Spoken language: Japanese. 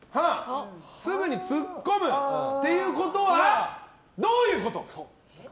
すぐにツッコむということはどういうこと？